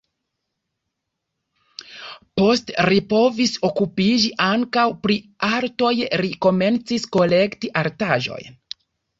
Poste li povis okupiĝi ankaŭ pri artoj, li komencis kolekti artaĵojn.